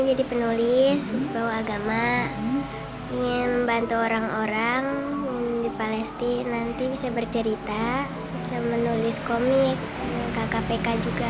ini jadi penulis bahwa agama ingin membantu orang orang di palestina nanti bisa bercerita bisa menulis komik kkpk juga